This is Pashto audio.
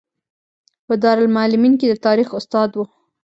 په دارالمعلمین کې د تاریخ استاد و.